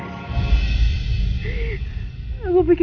empat jam lagi